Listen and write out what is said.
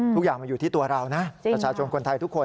ทุกอย่างมันอยู่ที่ตัวเรานะประชาชนคนไทยทุกคน